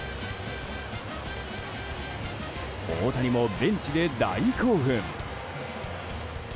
大谷もベンチで大興奮！